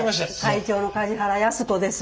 会長の梶原安子です。